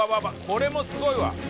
これもすごいわ。